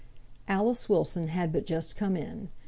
Alice Wilson had but just come in.